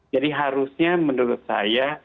jadi harusnya menurut saya